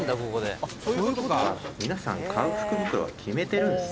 「皆さん買う福袋は決めてるんですね」